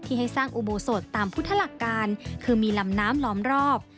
ให้สร้างอุโบสถตามพุทธหลักการคือมีลำน้ำล้อมรอบ